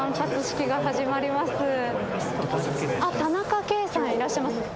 田中圭さんいらっしゃいますね。